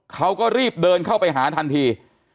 เขาก็รีบเดินเข้าไปหาทันที